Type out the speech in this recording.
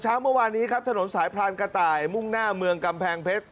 เมื่อวานนี้ครับถนนสายพรานกระต่ายมุ่งหน้าเมืองกำแพงเพชร